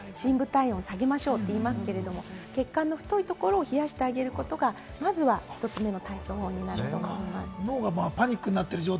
熱中症のときにもそこを冷やして、深部体温を下げましょうと言いますけれども、血管の太いところを冷やしてあげることが、まずは１つ目の対処法になると思います。